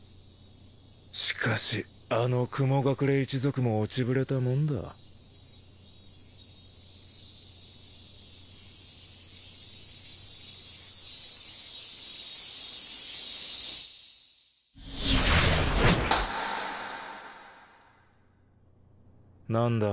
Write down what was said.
しかしあの雲隠一族も落ちぶれたもんだ何だ？